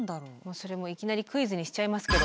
それいきなりクイズにしちゃいますけど。